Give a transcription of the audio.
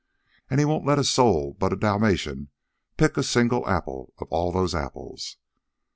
And he won't let a soul but a Dalmatian pick a single apple of all those apples.